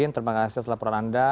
terima kasih telah peran anda